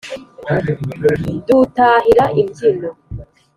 Dutahira imbyino